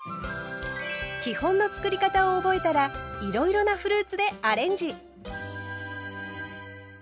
基本のつくり方を覚えたらいろいろなフルーツでアレンジ！